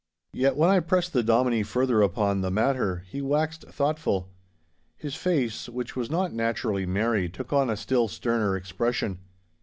Yet when I pressed the Dominie further upon the matter, he waxed thoughtful. His face, which was not naturally merry, took on a still sterner expression.